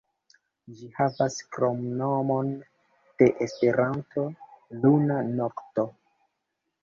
Ĝi havas kromnomon de Esperanto, "Luna Nokto".